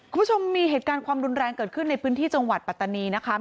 คุณผู้ชมมีเหตุการณ์ความรุนแรงเกิดขึ้นในพื้นที่จังหวัดปัตตานีนะคะ